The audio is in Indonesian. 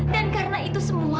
dan karena itu semua